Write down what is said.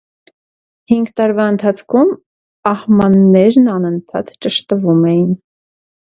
Հինգ տարվա ընթացքում ահմաններն անընդհատ ճշտվում էին։